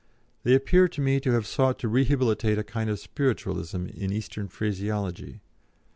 They appear to me to have sought to rehabilitate a kind of Spiritualism in Eastern phraseology.